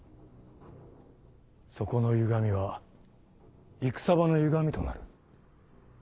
そこの歪みは戦場の歪みとなる。